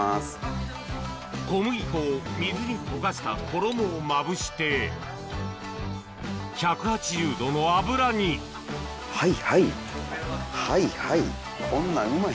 小麦粉を水に溶かした衣をまぶして１８０℃の油にはいはいはいはい。